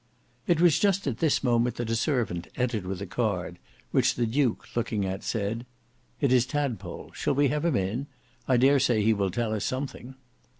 It was just at this moment that a servant entered with a card, which the duke looking at said "It is Tadpole; shall we have him in? I dare say he will tell us something."